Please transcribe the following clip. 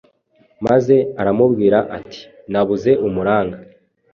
maze aramubwira ati: “Nabuze umuranga.